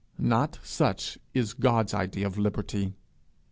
Not such is God's idea of liberty!